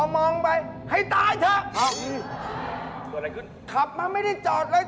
ไม่ใครตอบ